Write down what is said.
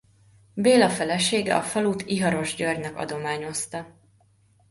Béla felesége a falut Iharos Györgynek adományozta.